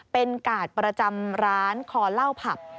เป็นกาดประจำร้านคอเหล้าผับ